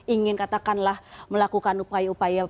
ingin katakanlah melakukan upaya upaya